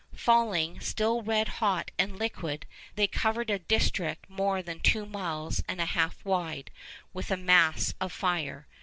Falling, still red hot and liquid, they covered a district more than two miles and a half wide with a mass of fire.